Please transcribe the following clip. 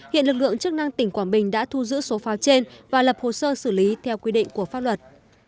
hiện lực lượng chức năng tỉnh quảng bình đã thu giữ số pháo trên và lập hồ sơ xử lý theo quy định của pháp luật